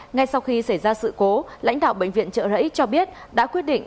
ngay sau khi xảy ra sự cố lãnh đạo bệnh viện trợ rẫy cho biết đã quyết định